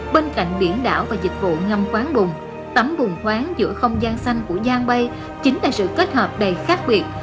bên cạnh biển đảo và dịch vụ ngâm quán bùng tấm bùng khoáng giữa không gian xanh của giang bay chính là sự kết hợp đầy khác biệt